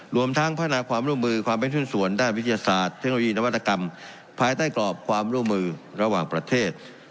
รวมทั้งพัฒนาความร่วมมือความเป็นหุ้นส่วนด้านวิทยาศาสตร์เทคโนโลยีนวัตกรรมภายใต้กรอบความร่วมมือระหว่างประเทศ